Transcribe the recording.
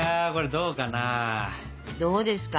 どうですか？